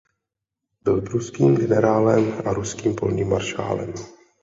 Byl pruským generálem a ruským polním maršálem.